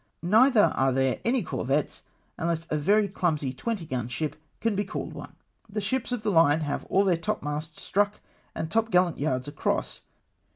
Neither are there any corvettes, unless a very clumsy 20 gun ship can be called one. The ships of the line have all their topmasts struck and topgallant yards across.